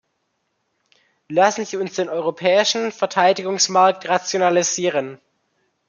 Lassen Sie uns den europäischen Verteidigungsmarkt rationalisieren.